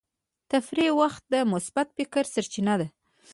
د تفریح وخت د مثبت فکر سرچینه ده.